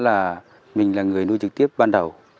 là mình là người nuôi trực tiếp ban đầu